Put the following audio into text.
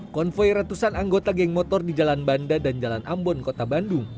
konvoy ratusan anggota geng motor di jalan banda dan jalan ambon kota bandung